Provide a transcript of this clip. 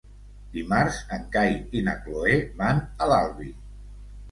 Dimarts en Cai i na Cloè van a l'Albi.